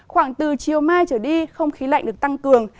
khoảng từ chiều mai trở đi không khí lạnh được tăng cường